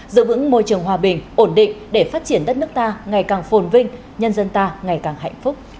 giữ vững môi trường hòa bình ổn định để phát triển đất nước ta ngày càng phồn vinh nhân dân ta ngày càng hạnh phúc